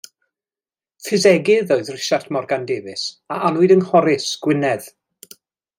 Ffisegydd oedd Rhisiart Morgan Davies a anwyd yng Nghorris, Gwynedd.